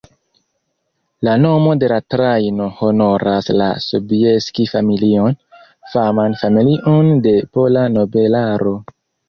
La nomo de la trajno honoras la Sobieski-familion, faman familion de pola nobelaro.